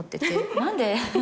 何で？